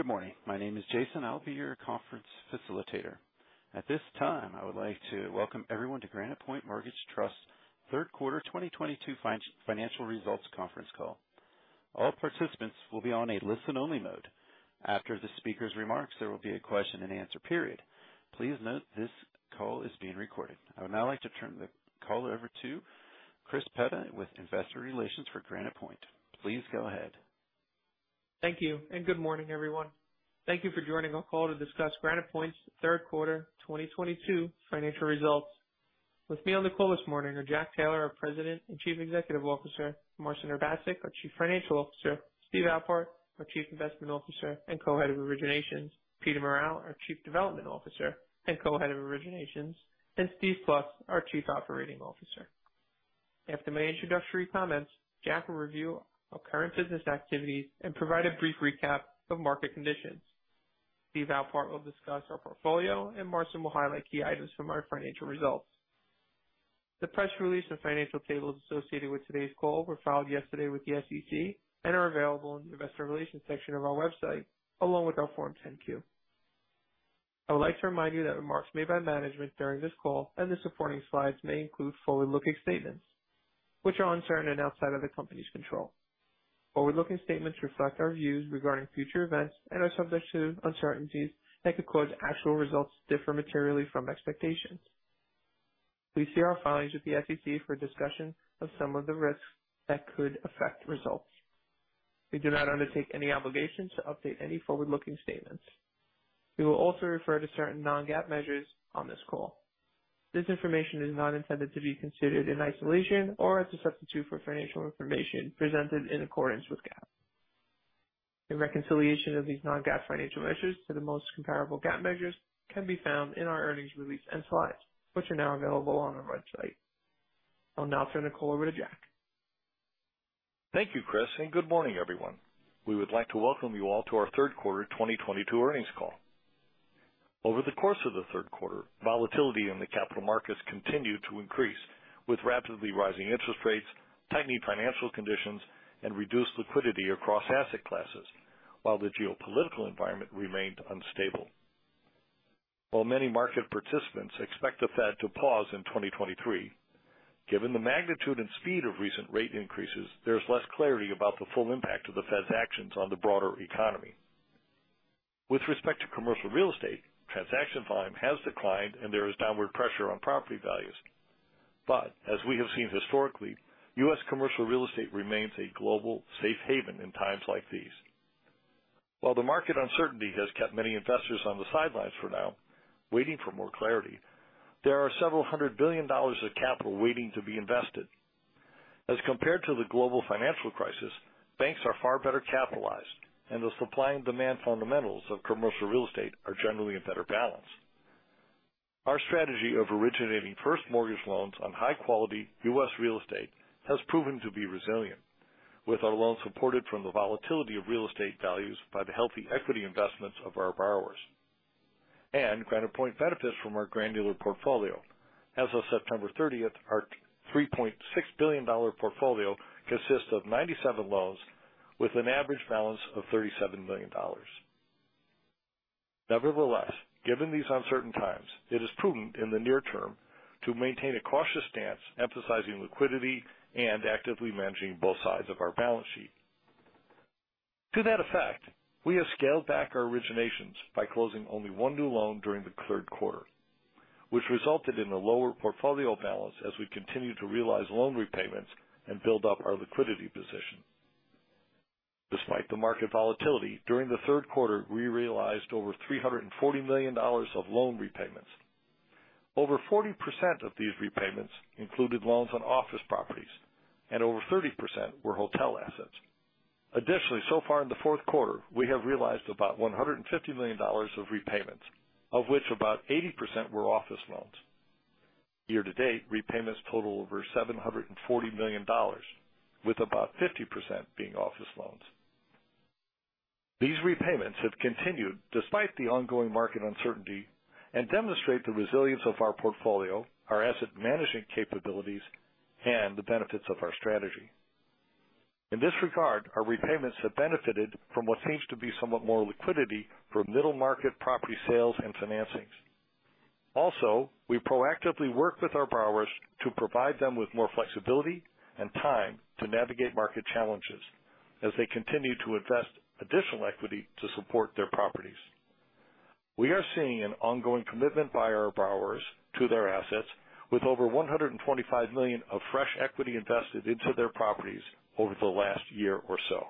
Good morning. My name is Jason. I'll be your conference facilitator. At this time, I would like to welcome everyone to Granite Point Mortgage Trust third quarter 2022 financial results conference call. All participants will be on a listen-only mode. After the speaker's remarks, there will be a question and answer period. Please note this call is being recorded. I would now like to turn the call over to Chris Petta with investor relations for Granite Point. Please go ahead. Thank you, and good morning, everyone. Thank you for joining our call to discuss Granite Point's third quarter 2022 financial results. With me on the call this morning are Jack Taylor, our President and Chief Executive Officer, Marcin Urbaszek, our Chief Financial Officer, Steve Alpart, our Chief Investment Officer and Co-Head of Originations, Peter Morral, our Chief Development Officer and Co-Head of originations, and Steve Plust, our Chief Operating Officer. After my introductory comments, Jack will review our current business activities and provide a brief recap of market conditions. Steve Alpart will discuss our portfolio, and Marcin will highlight key items from our financial results. The press release and financial tables associated with today's call were filed yesterday with the SEC and are available in the Investor Relations section of our website, along with our Form 10-Q. I would like to remind you that remarks made by management during this call and the supporting slides may include forward-looking statements which are uncertain and outside of the company's control. Forward-looking statements reflect our views regarding future events and are subject to uncertainties that could cause actual results to differ materially from expectations. Please see our filings with the SEC for a discussion of some of the risks that could affect results. We do not undertake any obligation to update any forward-looking statements. We will also refer to certain non-GAAP measures on this call. This information is not intended to be considered in isolation or as a substitute for financial information presented in accordance with GAAP. A reconciliation of these non-GAAP financial measures to the most comparable GAAP measures can be found in our earnings release and slides, which are now available on our website. I'll now turn the call over to Jack. Thank you, Chris, and good morning, everyone. We would like to welcome you all to our third quarter 2022 earnings call. Over the course of the third quarter, volatility in the capital markets continued to increase, with rapidly rising interest rates, tightening financial conditions, and reduced liquidity across asset classes, while the geopolitical environment remained unstable. While many market participants expect the Fed to pause in 2023, given the magnitude and speed of recent rate increases, there's less clarity about the full impact of the Fed's actions on the broader economy. With respect to commercial real estate, transaction volume has declined, and there is downward pressure on property values. As we have seen historically, U.S. commercial real estate remains a global safe haven in times like these. While the market uncertainty has kept many investors on the sidelines for now, waiting for more clarity, there are several hundred billion dollars of capital waiting to be invested. As compared to the global financial crisis, banks are far better capitalized, and the supply and demand fundamentals of commercial real estate are generally a better balance. Our strategy of originating first mortgage loans on high quality U.S. real estate has proven to be resilient, with our loans supported from the volatility of real estate values by the healthy equity investments of our borrowers. Granite Point benefits from our granular portfolio. As of September 30, our $3.6 billion portfolio consists of 97 loans with an average balance of $37 million. Nevertheless, given these uncertain times, it is prudent in the near term to maintain a cautious stance, emphasizing liquidity and actively managing both sides of our balance sheet. To that effect, we have scaled back our originations by closing only one new loan during the third quarter, which resulted in a lower portfolio balance as we continue to realize loan repayments and build up our liquidity position. Despite the market volatility, during the third quarter, we realized over $340 million of loan repayments. Over 40% of these repayments included loans on office properties and over 30% were hotel assets. Additionally, so far in the fourth quarter, we have realized about $150 million of repayments, of which about 80% were office loans. Year to date, repayments total over $740 million, with about 50% being office loans. These repayments have continued despite the ongoing market uncertainty and demonstrate the resilience of our portfolio, our asset management capabilities, and the benefits of our strategy. In this regard, our repayments have benefited from what seems to be somewhat more liquidity from middle-market property sales and financings. Also, we proactively work with our borrowers to provide them with more flexibility and time to navigate market challenges as they continue to invest additional equity to support their properties. We are seeing an ongoing commitment by our borrowers to their assets with over $125 million of fresh equity invested into their properties over the last year or so.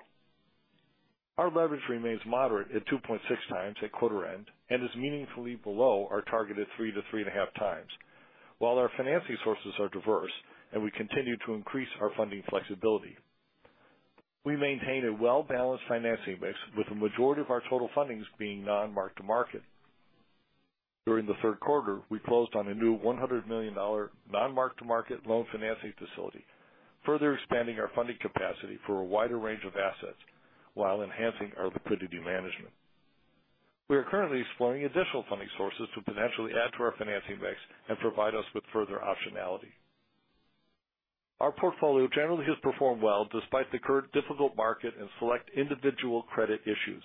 Our leverage remains moderate at 2.6x at quarter end and is meaningfully below our targeted 3-3.5x, while our financing sources are diverse and we continue to increase our funding flexibility. We maintain a well-balanced financing mix with the majority of our total fundings being non-mark-to-market. During the third quarter, we closed on a new $100 million non-mark-to-market loan financing facility, further expanding our funding capacity for a wider range of assets while enhancing our liquidity management. We are currently exploring additional funding sources to potentially add to our financing mix and provide us with further optionality. Our portfolio generally has performed well despite the current difficult market and select individual credit issues.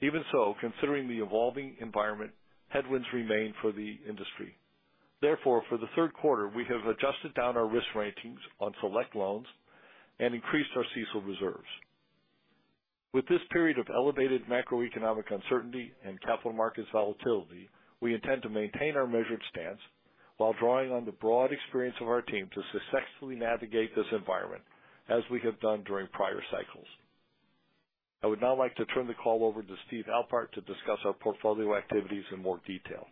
Even so, considering the evolving environment, headwinds remain for the industry. Therefore, for the third quarter, we have adjusted down our risk ratings on select loans and increased our CECL reserves. With this period of elevated macroeconomic uncertainty and capital market volatility, we intend to maintain our measured stance while drawing on the broad experience of our team to successfully navigate this environment as we have done during prior cycles. I would now like to turn the call over to Stephen Alpart to discuss our portfolio activities in more detail.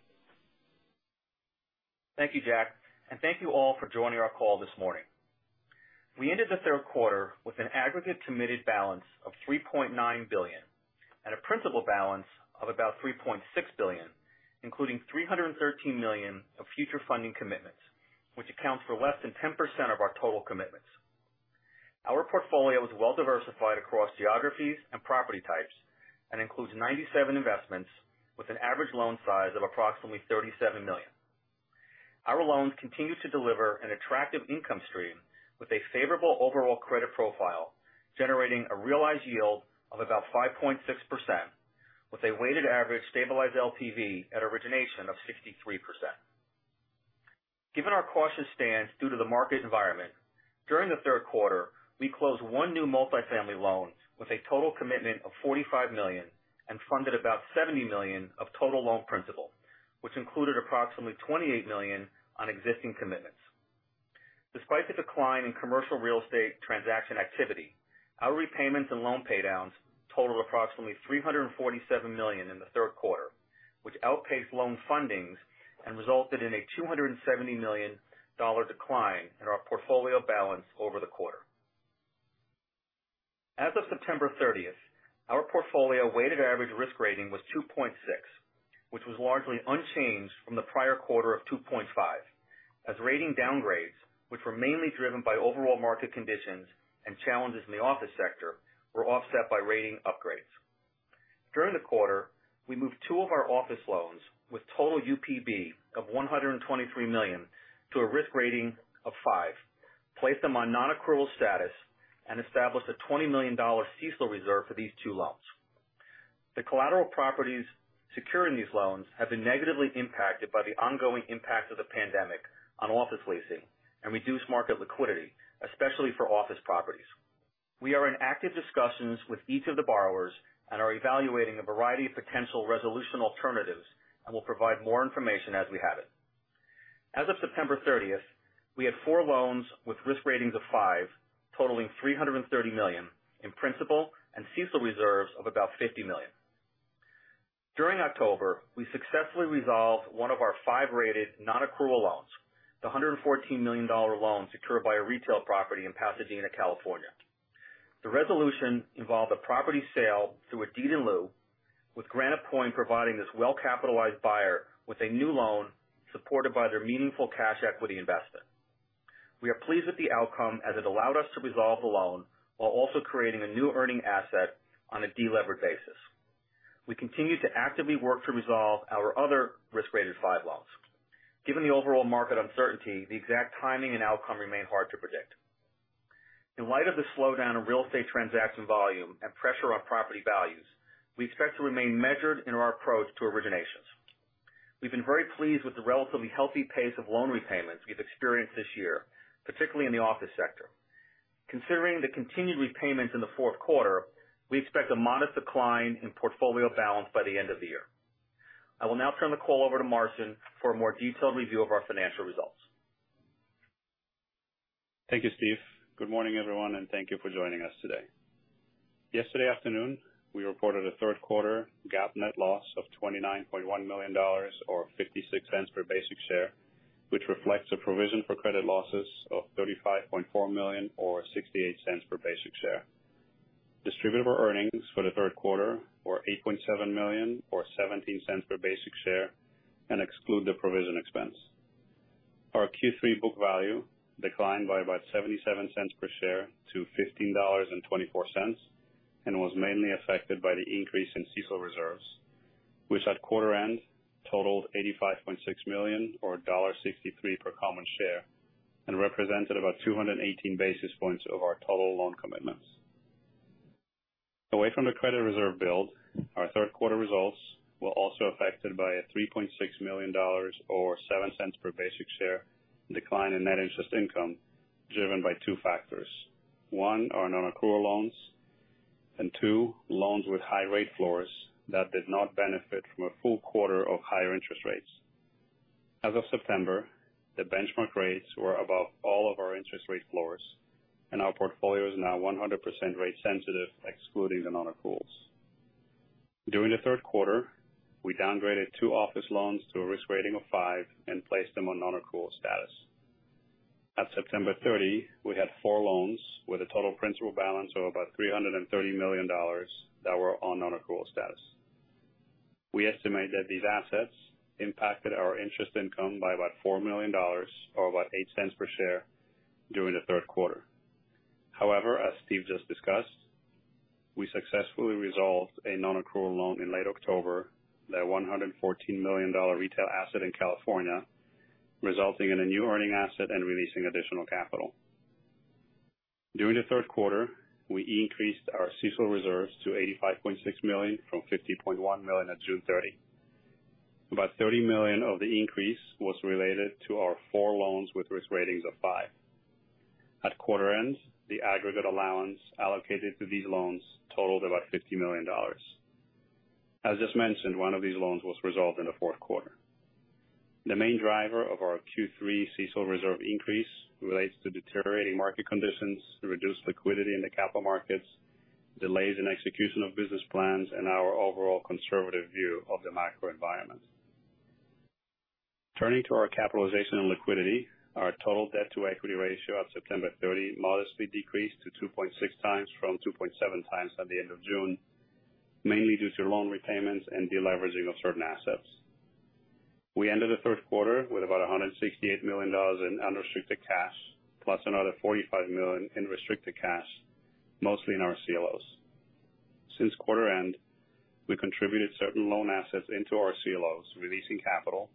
Thank you, Jack, and thank you all for joining our call this morning. We ended the third quarter with an aggregate committed balance of $3.9 billion and a principal balance of about $3.6 billion, including $313 million of future funding commitments, which accounts for less than 10% of our total commitments. Our portfolio is well diversified across geographies and property types and includes 97 investments with an average loan size of approximately $37 million. Our loans continue to deliver an attractive income stream with a favorable overall credit profile, generating a realized yield of about 5.6% with a weighted average stabilized LTV at origination of 63%. Given our cautious stance due to the market environment, during the third quarter, we closed one new multifamily loan with a total commitment of $45 million and funded about $70 million of total loan principal, which included approximately $28 million on existing commitments. Despite the decline in commercial real estate transaction activity, our repayments and loan paydowns totaled approximately $347 million in the third quarter, which outpaced loan funding and resulted in a $270 million decline in our portfolio balance over the quarter. As of September 30th, our portfolio weighted average risk rating was 2.6, which was largely unchanged from the prior quarter of 2.5, as rating downgrades, which were mainly driven by overall market conditions and challenges in the office sector, were offset by rating upgrades. During the quarter, we moved two of our office loans with total UPB of $123 million to a risk rating of five, placed them on non-accrual status and established a $20 million CECL reserve for these two loans. The collateral properties securing these loans have been negatively impacted by the ongoing impact of the pandemic on office leasing and reduced market liquidity, especially for office properties. We are in active discussions with each of the borrowers and are evaluating a variety of potential resolution alternatives and will provide more information as we have it. As of September 30th, we had four loans with risk ratings of five totaling $330 million in principal and CECL reserves of about $50 million. During October, we successfully resolved one of our five-rated non-accrual loans, the $114 million loan secured by a retail property in Pasadena, California. The resolution involved a property sale through a deed in lieu, with Granite Point providing this well-capitalized buyer with a new loan supported by their meaningful cash equity investment. We are pleased with the outcome as it allowed us to resolve the loan while also creating a new earning asset on a delivered basis. We continue to actively work to resolve our other risk-rated five loans. Given the overall market uncertainty, the exact timing and outcome remain hard to predict. In light of the slowdown in real estate transaction volume and pressure on property values, we expect to remain measured in our approach to originations. We've been very pleased with the relatively healthy pace of loan repayments we've experienced this year, particularly in the office sector. Considering the continued repayments in the fourth quarter, we expect a modest decline in portfolio balance by the end of the year. I will now turn the call over to Marcin for a more detailed review of our financial results. Thank you, Steve. Good morning, everyone, and thank you for joining us today. Yesterday afternoon, we reported a third quarter GAAP net loss of $29.1 million or $0.56 per basic share, which reflects a provision for credit losses of $35.4 million or $0.68 per basic share. Distributable Earnings for the third quarter were $8.7 million or $0.17 per basic share and exclude the provision expense. Our Q3 book value declined by about $0.77 per share to $15.24, and was mainly affected by the increase in CECL reserves, which at quarter end totaled $85.6 million or $1.63 per common share and represented about 218 basis points of our total loan commitments. Away from the credit reserve build, our third quarter results were also affected by a $3.6 million or $0.7 per basic share decline in net interest income, driven by two factors. One, our non-accrual loans, and two, loans with high rate floors that did not benefit from a full quarter of higher interest rates. As of September, the benchmark rates were above all of our interest rate floors and our portfolio is now 100% rate sensitive, excluding the non-accruals. During the third quarter, we downgraded two office loans to a risk rating of five and placed them on non-accrual status. At September 30, we had four loans with a total principal balance of about $330 million that were on non-accrual status. We estimate that these assets impacted our interest income by about $4 million or about $0.08 per share during the third quarter. However, as Steve just discussed. We successfully resolved a non-accrual loan in late October, the $114 million retail asset in California, resulting in a new earning asset and releasing additional capital. During the third quarter, we increased our CECL reserves to $85.6 million from $50.1 million at June 30. About $30 million of the increase was related to our four loans with risk ratings of five. At quarter end, the aggregate allowance allocated to these loans totaled about $50 million. As just mentioned, 1 of these loans was resolved in the fourth quarter. The main driver of our Q3 CECL reserve increase relates to deteriorating market conditions, reduced liquidity in the capital markets, delays in execution of business plans, and our overall conservative view of the macro environment. Turning to our capitalization and liquidity, our total debt-to-equity ratio at September 30 modestly decreased to 2.6x from 2.7x at the end of June, mainly due to loan repayments and deleveraging of certain assets. We ended the third quarter with about $168 million in unrestricted cash, plus another $45 million in restricted cash, mostly in our CLOs. Since quarter end, we contributed certain loan assets into our CLOs, releasing capital,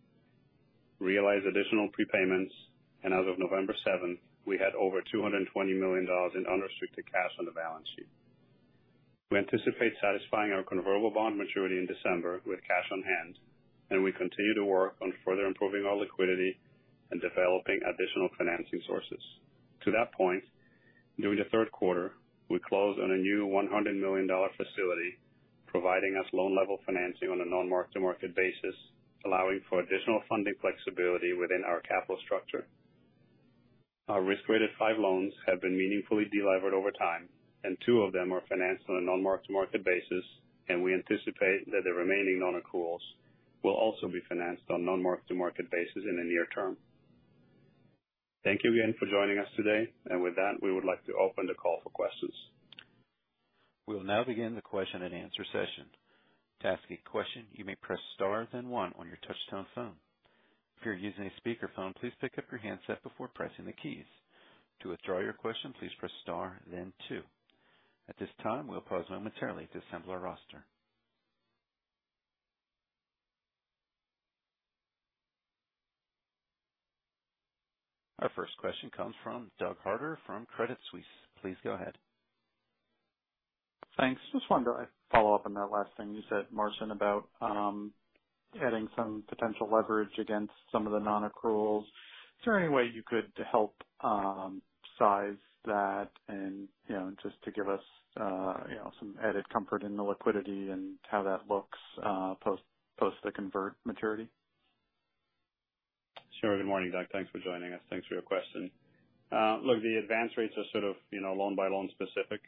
realized additional prepayments, and as of November 7, we had over $220 million in unrestricted cash on the balance sheet. We anticipate satisfying our convertible bond maturity in December with cash on hand, and we continue to work on further improving our liquidity and developing additional financing sources. To that point, during the third quarter, we closed on a new $100 million facility, providing us loan-level financing on a non-mark-to-market basis, allowing for additional funding flexibility within our capital structure. Our risk-rated 5 loans have been meaningfully delivered over time, and two of them are financed on a non-mark-to-market basis, and we anticipate that the remaining non-accruals will also be financed on non-mark-to-market basis in the near term. Thank you again for joining us today. With that, we would like to open the call for questions. We'll now begin the question-and-answer session. To ask a question, you may press star then one on your touchtone phone. If you're using a speakerphone, please pick up your handset before pressing the keys. To withdraw your question, please press star then two. At this time, we'll pause momentarily to assemble our roster. Our first question comes from Doug Harter from Credit Suisse. Please go ahead. Thanks. Just wanted to follow up on that last thing you said, Marcin, about adding some potential leverage against some of the non-accruals. Is there any way you could help size that and, you know, just to give us, you know, some added comfort in the liquidity and how that looks post the convert maturity? Sure. Good morning, Doug. Thanks for joining us. Thanks for your question. Look, the advance rates are sort of, you know, loan-by-loan specific.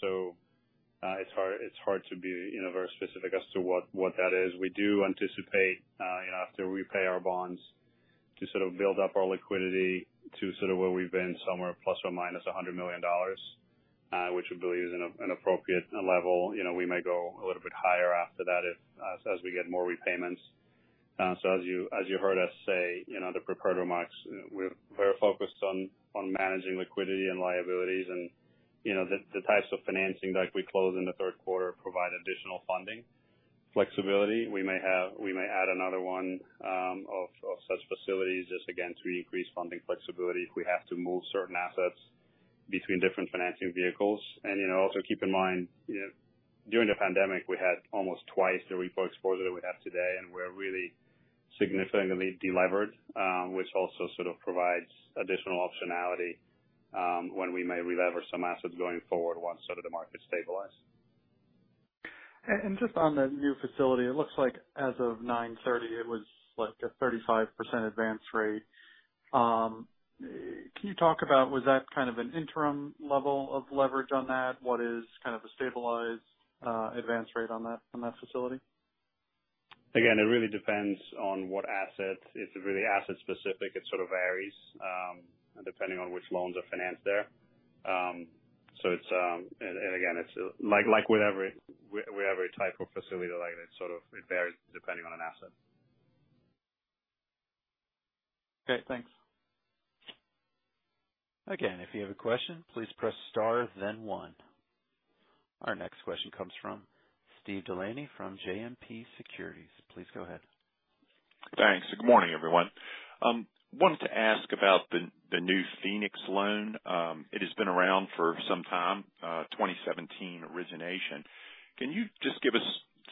So, it's hard to be, you know, very specific as to what that is. We do anticipate, you know, after we pay our bonds to sort of build up our liquidity to sort of where we've been, somewhere ±$100 million, which we believe is an appropriate level. You know, we may go a little bit higher after that if, as we get more repayments. So as you heard us say, you know, in the prepared remarks, we're focused on managing liquidity and liabilities and, you know, the types of financing that we closed in the third quarter provide additional funding flexibility. We may add another one of such facilities just again to increase funding flexibility if we have to move certain assets between different financing vehicles. You know, also keep in mind, you know, during the pandemic, we had almost twice the REPO exposure that we have today, and we're really significantly delivered, which also sort of provides additional optionality when we may relever some assets going forward once sort of the market stabilize. Just on the new facility, it looks like as of 9:30 A.M., it was like a 35% advance rate. Can you talk about was that kind of an interim level of leverage on that? What is kind of the stabilized advance rate on that facility? Again, it really depends on what asset. It's really asset specific. It sort of varies, depending on which loans are financed there. Again, it's like with every type of facility, like it sort of, it varies depending on an asset. Okay, thanks. Again, if you have a question, please press star then one. Our next question comes from Steve DeLaney from JMP Securities. Please go ahead. Thanks. Good morning, everyone. Wanted to ask about the new Phoenix loan. It has been around for some time, 2017 origination. Can you just give us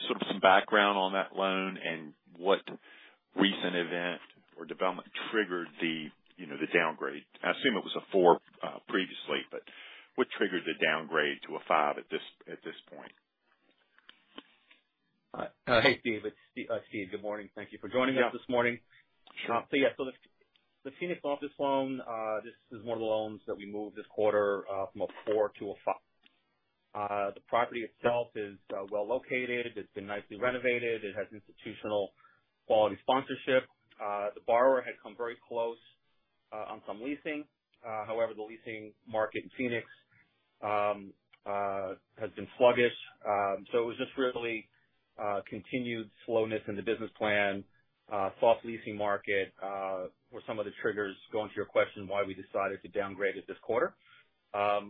sort of some background on that loan and what recent event or development triggered the, you know, the downgrade? I assume it was a four previously, but what triggered the downgrade to a five at this point? Hey, Steve. It's Steve, good morning. Thank you for joining us this morning. Sure. The Phoenix office loan, this is one of the loans that we moved this quarter, from a four to a five. The property itself is well located. It's been nicely renovated. It has institutional quality sponsorship. The borrower had come very close on some leasing. However, the leasing market in Phoenix has been sluggish. Continued slowness in the business plan, soft leasing market, were some of the triggers going to your question why we decided to downgrade it this quarter.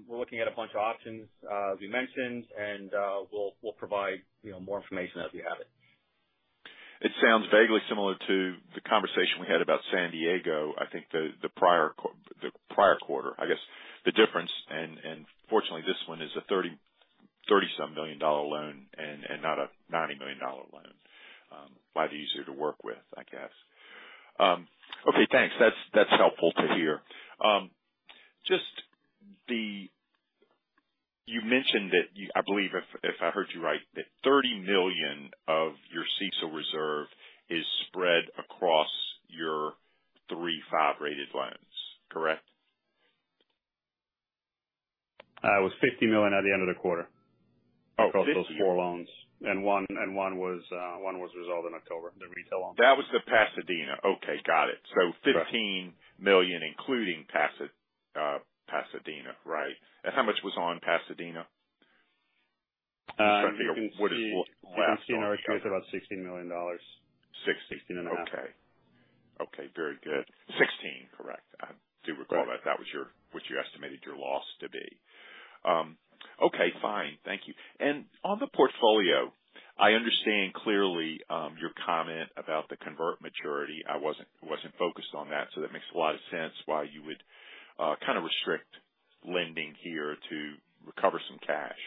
We're looking at a bunch of options, as we mentioned, and we'll provide, you know, more information as we have it. It sounds vaguely similar to the conversation we had about San Diego, I think, the prior quarter. I guess the difference, and fortunately, this one is a $30-some million loan and not a $90 million loan. A lot easier to work with, I guess. Okay, thanks. That's helpful to hear. You mentioned that you, I believe if I heard you right, that $30 million of your CECL reserve is spread across your 3-5 rated loans, correct? It was $50 million at the end of the quarter. Oh, $50 million. Across those four loans. One was resolved in October, the retail loan. That was the Pasadena. Okay. Got it. Correct. $15 million including Pasadena, right? How much was on Pasadena? I'm trying to think of what is last on our chart. You can see in our notes about $16 million. Six- $16.5. Okay, very good. $16, correct. I do recall that. Right. That was your what you estimated your loss to be. Okay, fine. Thank you. On the portfolio, I understand clearly your comment about the convert maturity. I wasn't focused on that, so that makes a lot of sense why you would kind of restrict lending here to recover some cash,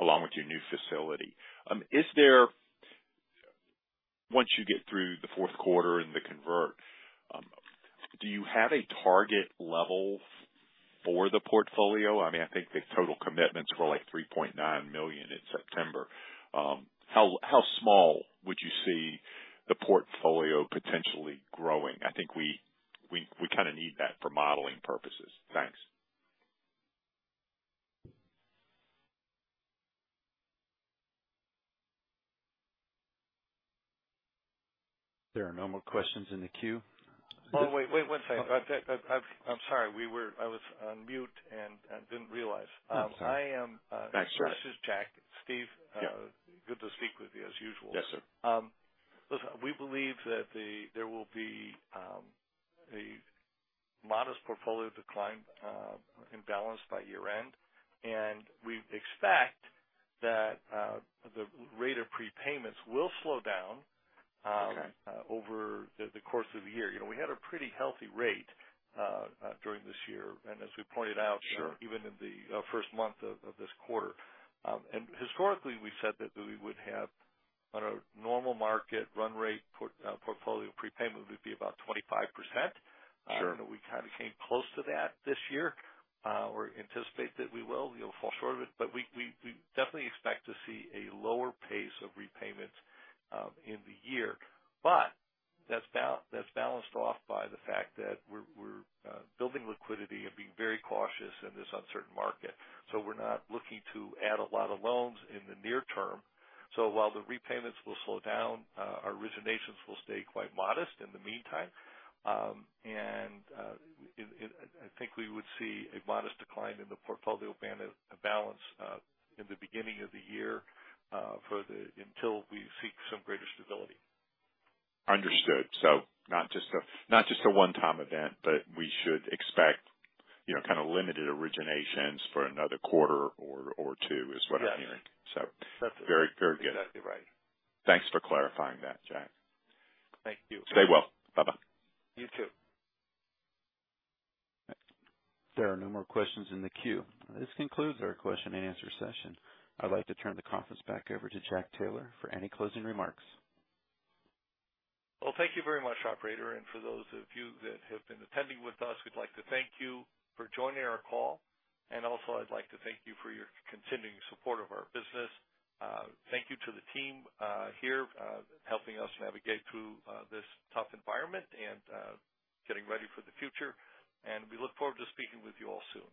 along with your new facility. Once you get through the fourth quarter and the convert, do you have a target level for the portfolio? I mean, I think the total commitments were like $3.9 million in September. How small would you see the portfolio potentially growing? I think we kinda need that for modeling purposes. Thanks. There are no more questions in the queue. Oh, wait one second. I'm sorry. I was on mute and I didn't realize. Oh, sorry. I am. No, sure. This is Jack. Steve? Yeah. Good to speak with you as usual. Yes, sir. Listen, we believe that there will be a modest portfolio decline in balance by year-end, and we expect that the rate of prepayments will slow down. Okay Over the course of the year. You know, we had a pretty healthy rate during this year. As we pointed out. Sure Even in the first month of this quarter. Historically, we said that we would have on a normal market run rate portfolio prepayment would be about 25%. Sure. We kinda came close to that this year, or anticipate that we will. We'll fall short of it. We definitely expect to see a lower pace of repayments in the year. That's balanced off by the fact that we're building liquidity and being very cautious in this uncertain market. We're not looking to add a lot of loans in the near term. While the repayments will slow down, our originations will stay quite modest in the meantime. I think we would see a modest decline in the portfolio balance in the beginning of the year until we seek some greater stability. Understood. Not just a one-time event, but we should expect, you know, kinda limited originations for another quarter or two is what I'm hearing. Yes. So- That's it. Very, very good. Exactly right. Thanks for clarifying that, Jack. Thank you. Stay well. Bye-bye. You too. There are no more questions in the queue. This concludes our question and answer session. I'd like to turn the conference back over to Jack Taylor for any closing remarks. Well, thank you very much, operator. For those of you that have been attending with us, we'd like to thank you for joining our call. Also I'd like to thank you for your continuing support of our business. Thank you to the team here helping us navigate through this tough environment and getting ready for the future. We look forward to speaking with you all soon.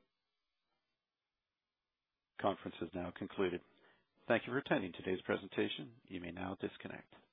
Conference is now concluded. Thank you for attending today's presentation. You may now disconnect.